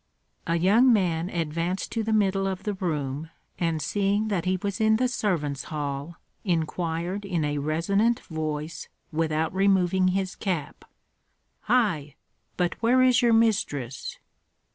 A young man advanced to the middle of the room, and seeing that he was in the servants' hall, inquired in a resonant voice, without removing his cap, "Hei! but where is your mistress?"